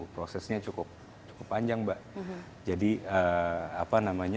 prosesnya cukup panjang mbak